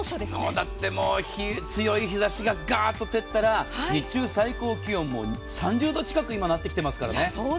だって、もう強い日差しがガーッと照ったら日中の最高気温も３０度近くになってきていますからね。